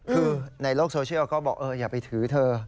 คือในโลกโซเชียลก็บอกอย่าไปถือเธอ